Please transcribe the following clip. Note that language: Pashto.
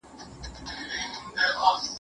د وړو بوټو پالنه ډېر زیات صبر غواړي.